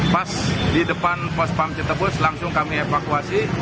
pas di depan pospam cetepus langsung kami evakuasi